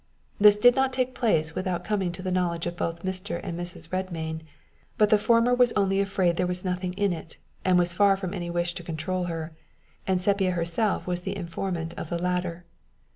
This did not take place without coming to the knowledge of both Mr. and Mrs. Redmain; but the former was only afraid there was nothing in it, and was far from any wish to control her; and Sepia herself was the in formant of the latter.